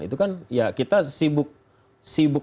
itu kan kita sibuk